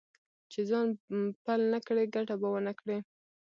چې ځان پل نه کړې؛ ګټه به و نه کړې.